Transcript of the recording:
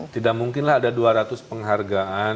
tidak mungkin lah ada dua ratus penghargaan